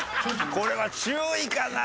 これは注意かなあ？